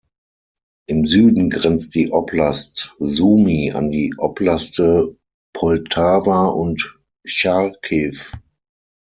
Im Süden grenzt die Oblast Sumy an die Oblaste Poltawa und Charkiw.